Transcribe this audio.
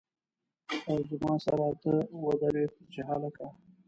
او زما سر ته ودرېد چې هلکه!